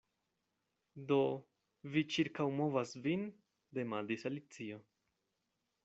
"Do, vi ĉirkaŭmovas vin?" demandis Alicio.